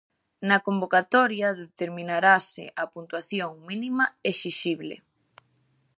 Na convocatoria determinarase a puntuación mínima exixíbel.